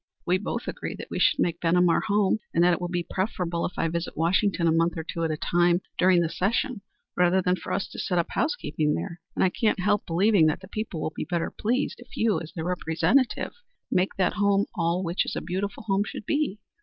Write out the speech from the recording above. We both agree that we should make Benham our home, and that it will be preferable if I visit Washington a month or two at a time during the session rather than for us to set up housekeeping there, and I can't help believing that the people will be better pleased if you, as their representative, make that home all which a beautiful home should be.